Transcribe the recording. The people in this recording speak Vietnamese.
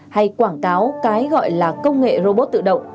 hay quảng cáo cái gọi là công nghệ robot tự động